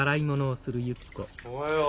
おはよう。